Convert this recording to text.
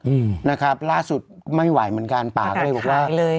อืมนะครับล่าสุดไม่ไหวเหมือนกันป่าก็เลยบอกว่าเลย